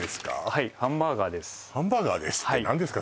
はいハンバーガーです「ハンバーガーです」って何ですか？